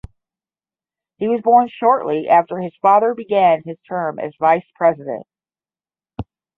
He was born shortly after his father began his term as vice president.